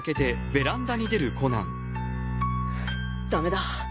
ダメだ！